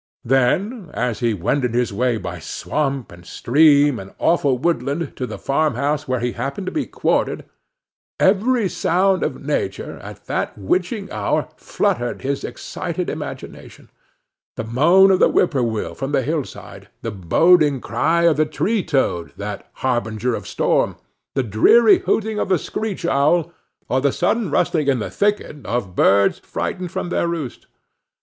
Then, as he wended his way by swamp and stream and awful woodland, to the farmhouse where he happened to be quartered, every sound of nature, at that witching hour, fluttered his excited imagination, the moan of the whip poor will from the hillside, the boding cry of the tree toad, that harbinger of storm, the dreary hooting of the screech owl, or the sudden rustling in the thicket of birds frightened from their roost.